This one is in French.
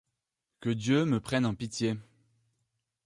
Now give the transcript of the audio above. Que Dieu me prenne en pitié!